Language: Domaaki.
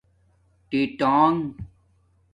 ٹی ناݣ